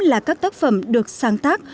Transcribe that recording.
là các tác phẩm được sáng tác